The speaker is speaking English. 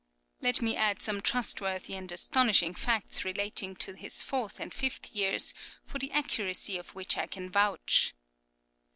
Let me add some trustworthy and astonishing facts relating to his fourth and fifth years, for the accuracy of which I can vouch.